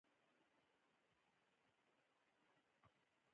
عسکر زما نوم وپوښت او ما وویل فریدګل یم